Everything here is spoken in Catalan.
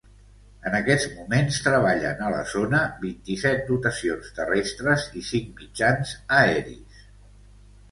En aquests moments treballen a la zona vint-i-set dotacions terrestres i cinc mitjans aeris.